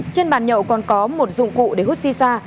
trên bàn nhậu còn có một dụng cụ để hút si sa